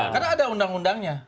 karena ada undang undangnya